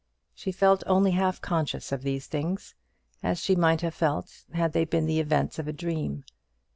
She felt only half conscious of these things, as she might have felt had they been the events of a dream.